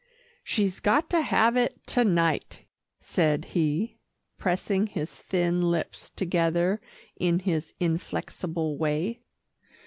"She's got to have it to night," said he, pressing his thin lips together in his inflexible way.